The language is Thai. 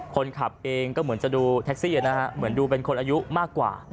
คนขับเองก็เหมือนจะดูแท็กซี่นะฮะเหมือนดูเป็นคนอายุมากกว่า